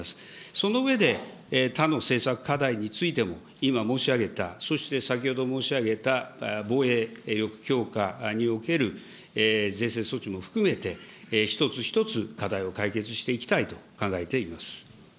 その上で、他の政策課題についても、今申し上げた、そして先ほど申し上げた防衛力強化における税制措置も含めて、一つ一つ課題を解決していきたいと考えています。